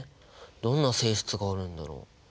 どんな性質があるんだろう？